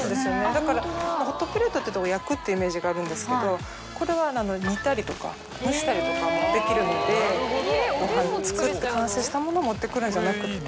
だからホットプレートっていうと焼くっていうイメージがあるんですけどこれは煮たりとか蒸したりとかもできるのでごはん作って完成したものを持ってくるんじゃなくて。